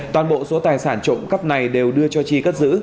toàn bộ số tài sản trộm cắp này đều đưa cho chi cất giữ